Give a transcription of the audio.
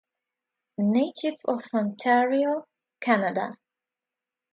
Native of Ontario, Canada.